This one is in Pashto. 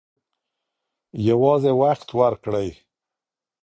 یوازې وخت ورکړئ.